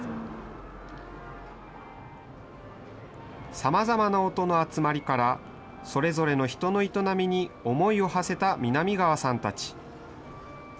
さまざまな音の集まりから、それぞれの人の営みに思いをはせた南川さんたち。